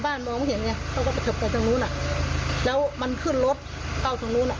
เขาก็ไปเฉียบไปตรงนู้นแล้วมันขึ้นรถเก้าตรงนู้น